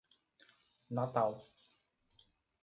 Natal